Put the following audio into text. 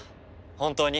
本当に。